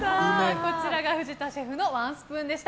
こちらが藤田シェフのワンスプーンでした。